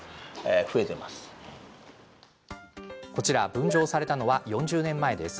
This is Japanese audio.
分譲されたのは４０年前です。